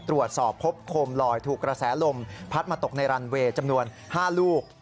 ตรวจสอบพบโคมลอยถูกกระแสลมพัดมาตกในรันเวย์จำนวน๕ลูก